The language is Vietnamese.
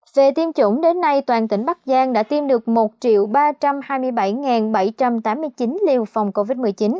về tiêm chủng đến nay toàn tỉnh bắc giang đã tiêm được một ba trăm hai mươi bảy bảy trăm tám mươi chín liều phòng covid một mươi chín